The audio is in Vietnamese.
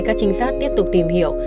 các trinh sát tiếp tục tìm hiểu